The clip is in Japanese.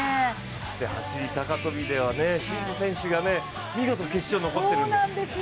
そして走高跳では真野選手が見事決勝に残ってるんです。